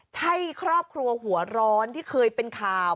ใช่ครอบครัวหัวร้อนที่เคยเป็นข่าว